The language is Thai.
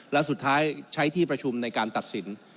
แล้วสุดท้ายใช้ที่ผสมในการตัดสิน